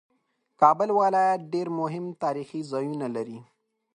کابل ولایت ډېر مهم تاریخي ځایونه لري